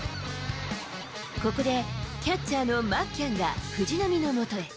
ここで、キャッチャーのマッキャンが藤浪のもとへ。